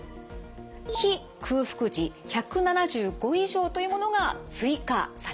非空腹時１７５以上というものが追加されました。